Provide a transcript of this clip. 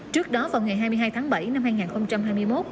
trước đó vào ngày hai mươi hai tháng bảy năm hai nghìn hai mươi một